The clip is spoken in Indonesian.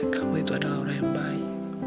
kamu itu adalah orang yang baik